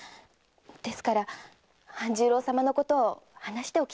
ですから半十郎様のことを話しておきたいのです。